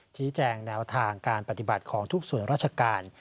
ชี้แจงแนวทางการปฏิบัติของทุกส่วนราชการ